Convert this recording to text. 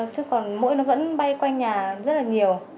chứ còn mũi nó vẫn bay quanh nhà rất là nhiều